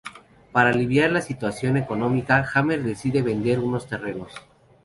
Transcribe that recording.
Para aliviar la situación económica Hammer decide vender unos terrenos.